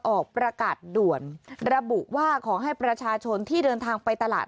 ออกประกาศด่วนระบุว่าขอให้ประชาชนที่เดินทางไปตลาด